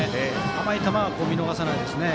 甘い球は見逃さないですね。